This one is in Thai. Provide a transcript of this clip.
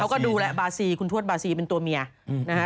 ก็ดูแลบาซีคุณทวดบาซีเป็นตัวเมียนะฮะ